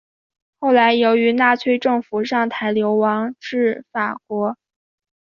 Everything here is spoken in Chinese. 后来由于纳粹政府上台流亡至法国。